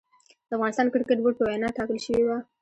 د افغانستان کريکټ بورډ په وينا ټاکل شوې وه